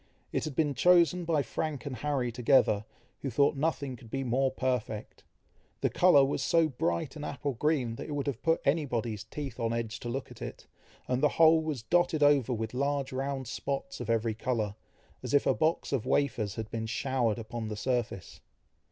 It had been chosen by Frank and Harry together, who thought nothing could be more perfect. The colour was so bright an apple green, that it would have put any body's teeth on edge to look at it, and the whole was dotted over with large round spots of every colour, as if a box of wafers had been showered upon the surface.